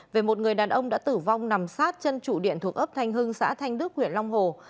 về một người đàn ông đã tử vong nằm sát chân trụ điện thuộc ấp thanh hưng xã thanh đức huyện long hồ